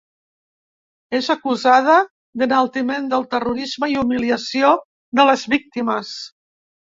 És acusada d’enaltiment del terrorisme i humiliació de les víctimes.